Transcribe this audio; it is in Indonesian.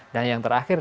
dan yang terakhir